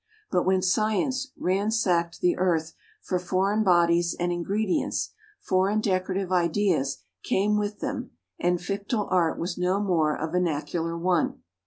But when science ransacked the earth for foreign bodies and ingredients, foreign decorative ideas came with them and Fictile Art was no more a vernacular one.